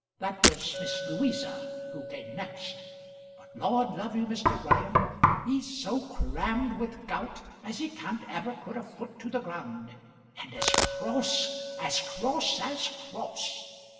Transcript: That was Miss Louisa, who came next. But, Lord love you, Mr. Graham, he's so crammed with gout as he can't ever put a foot to the ground; and as cross; as cross as cross.